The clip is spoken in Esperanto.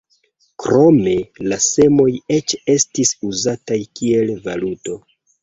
Krome la semoj eĉ estis uzataj kiel valuto.